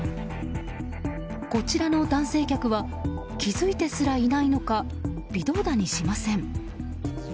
こちらの男性客は気づいてすらいないのか微動だにしません。